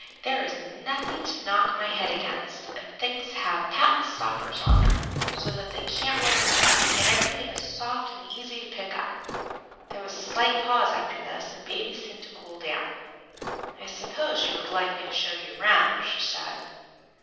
There is nothing to knock my head against, and things have patent stoppers on them, so that they can't roll away, and everything is soft and easy to pick up." There was a slight pause after this, and Baby seemed to cool down. "I suppose you would like me to show you round?" she said.